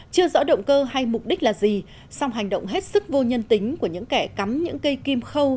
chưa rõ động cơ hay mục đích là gì song hành động hết sức vô nhân tính của những kẻ cắm những cây kim khâu